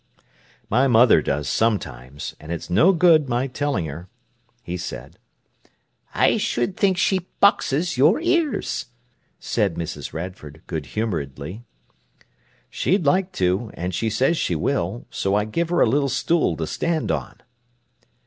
"My mother does sometimes, and it's no good my telling her," he said. "I s'd think she boxes your ears," said Mrs. Radford, good humouredly. "She'd like to, and she says she will, so I give her a little stool to stand on."